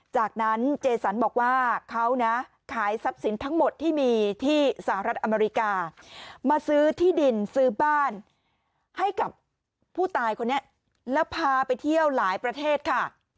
จากนั้นเจสันบอกว่าเขานะขายทรัพย์สินทั้งหมดที่มีที่สหรัฐอเมริกามาซื้อที่ดินซื้อบ้านให้กับผู้ตายคนนี้แล้วพาไปเที่ยวหลายประเทศค่ะ